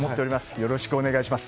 よろしくお願いします。